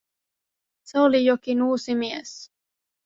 Se oli jokin uusi mies.